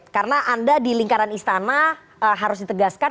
karena anda di lingkaran istana harus ditegaskan